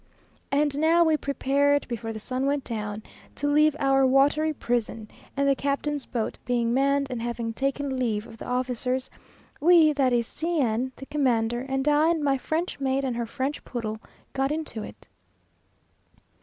And now we prepared, before the sun went down, to leave our watery prison; and the captain's boat being manned, and having taken leave of the officers, we, that is, C n, the commander, and I, and my French maid and her French poodle, got into it.